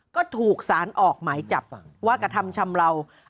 ก็ถูกสารออกหมายจับว่ากระทำชำเลา